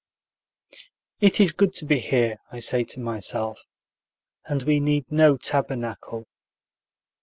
It is good to be here, I say to myself, and we need no tabernacle.